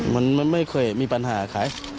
มันไม่เคยมีปัญหาใคร